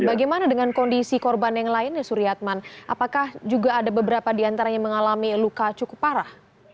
bagaimana dengan kondisi korban yang lainnya suryatman apakah juga ada beberapa diantaranya mengalami luka cukup parah